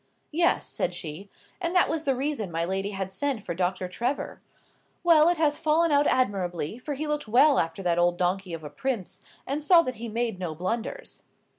"Yes," said she. "And that was the reason my lady had sent for Doctor Trevor. Well, it has fallen out admirably, for he looked well after that old donkey of a Prince, and saw that he made no blunders."